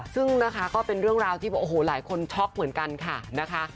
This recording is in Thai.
ซึ่งนะคะก็เป็นเรื่องราวที่โอ้โหหลายคนช็อกเหมือนกันค่ะนะคะ